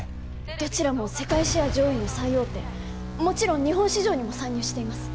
どちらも世界シェア上位の最大手もちろん日本市場にも参入しています